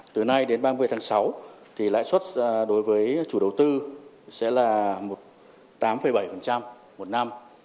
từ nay đến ba mươi tháng sáu thì lãi suất đối với chủ đầu tư sẽ là một tám bảy một năm